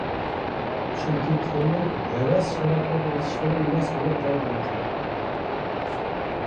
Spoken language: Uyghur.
چۈنكى كۆڭلۈم ھەۋەس شارابلىرىنى ئىچىش بىلەن مەست بولۇپ قالغان ئىكەن.